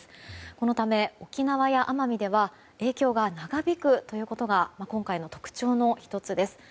このため沖縄や奄美では影響が長引くことが今回の特徴の１つです。